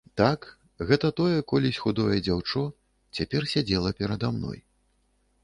Так, гэта тое колісь худое дзяўчо цяпер сядзела перада мной.